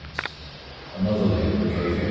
another labourer gave 11s.